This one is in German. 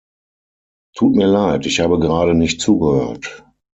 Tut mir leid, ich habe gerade nicht zugehört.